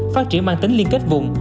phát triển mang tính liên kết vùng